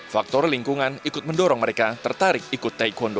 faktor lingkungan ikut mendorong mereka tertarik ikut teh kondo